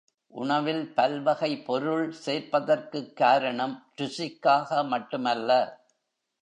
உணவில் பல்வகை பொருள் சேர்ப்பதற்குக் காரணம் ருசிக்காக மட்டுமல்ல.